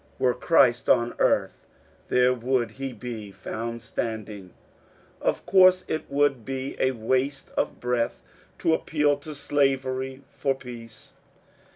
Were Christ on earth there would he be found standing. Of course it would be a waste of breath to appeal to Slavery for Peace.